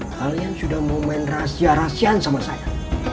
kalian sudah mau main rahasia rahasiaan sama saya